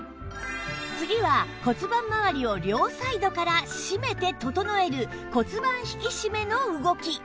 次は骨盤まわりを両サイドから締めて整える骨盤引きしめの動き